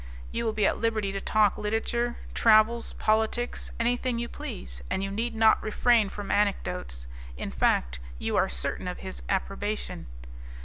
You will be at liberty to talk literature, travels, politics, anything you please, and you need not refrain from anecdotes. In fact you are certain of his approbation.